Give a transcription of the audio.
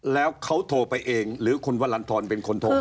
แล้วเขาโทรไปเองหรือคุณวัลลันทรอนเป็นคนโทรหาเพื่อน